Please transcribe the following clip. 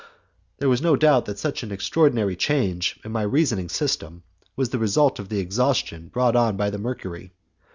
There is no doubt that such an extraordinary change in my reasoning system was the result of the exhaustion brought on by the mercury.